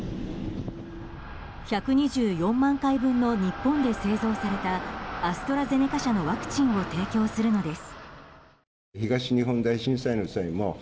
１２４万回分の日本で製造されたアストラゼネカ社のワクチンを提供するのです。